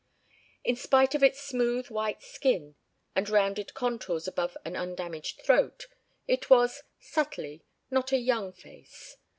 In spite of its smooth white skin and rounded contours above an undamaged throat, it was, subtly, not a young face.